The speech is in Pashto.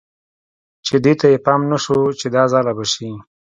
دې ته یې پام نه شو چې دا ځاله به شي.